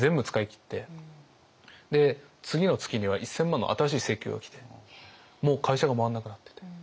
で次の月には１，０００万の新しい請求が来てもう会社が回んなくなってて。